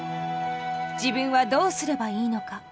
自分はどうすればいいのか。